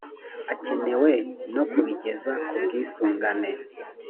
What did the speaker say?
akenewe no kubigeza ku bwisungane